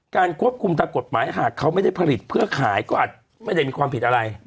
ควบคุมทางกฎหมายหากเขาไม่ได้ผลิตเพื่อขายก็อาจไม่ได้มีความผิดอะไร